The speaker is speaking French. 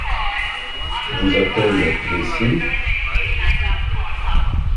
Vous a-t-elle des cils !